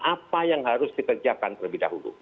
apa yang harus dikerjakan terlebih dahulu